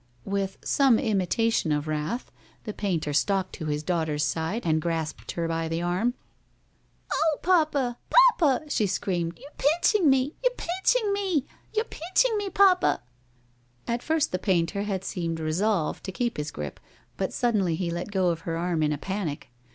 With some imitation of wrath, the painter stalked to his daughter's side and grasped her by the arm. [Illustration: "'HERE'S ANOTHER BATCH OF LOVELY PUDDINGS'"] "Oh, papa! papa!" she screamed. "You're pinching me! You're pinching me! You're pinching me, papa!" At first the painter had seemed resolved to keep his grip, but suddenly he let go her arm in a panic.